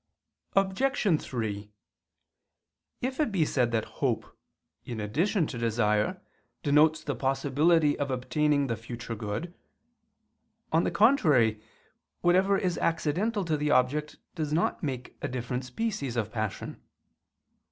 Obj. 3: If it be said that hope, in addition to desire, denotes the possibility of obtaining the future good; on the contrary, whatever is accidental to the object does not make a different species of passion.